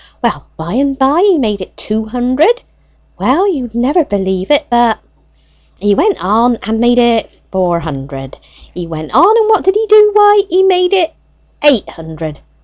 Well, by and by he made it two hundred! Well, you'd never believe it, but he went on and made it four hundred! He went on, and what did he do? Why, he made it eight hundred!